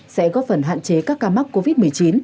sẽ góp phần hạn chế các ca mắc covid một mươi chín